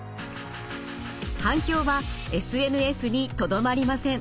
反響はＳＮＳにとどまりません。